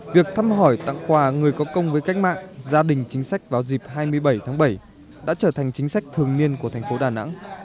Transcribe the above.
việc thăm hỏi tặng quà người có công với cách mạng gia đình chính sách vào dịp hai mươi bảy tháng bảy đã trở thành chính sách thường niên của thành phố đà nẵng